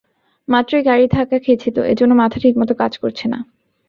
মাত্রই গাড়ির ধাক্কা খেয়েছি তো, এজন্য মাথা ঠিকমতো কাজ করছে না।